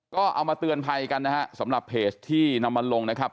ก็เอามาเตือนภัยกันนะฮะสำหรับเพจที่นำมาลงนะครับ